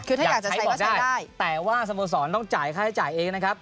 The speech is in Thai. คือถ้าอยากใช้บ่อได้แต่ว่าสโมสรต้องจ่ายค่าใช้จ่ายเองนะครับ